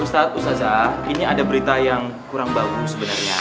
ustaz ustazah ini ada berita yang kurang bagus sebenernya